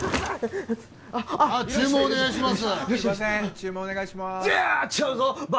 注文お願いしますゼアッ！